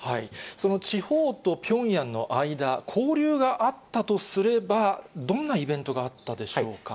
その地方とピョンヤンの間、交流があったとすれば、どんなイベントがあったでしょうか。